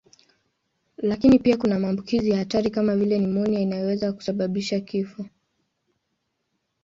Lakini pia kuna maambukizi ya hatari kama vile nimonia inayoweza kusababisha kifo.